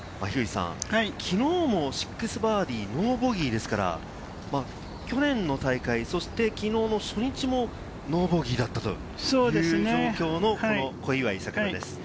きのうも６バーディ、ノーボギーですから、去年の大会、そして、きのうの初日もノーボギーだったという状況の小祝さくらです。